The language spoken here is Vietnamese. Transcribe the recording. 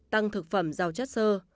tăng thực phẩm giàu chất sơ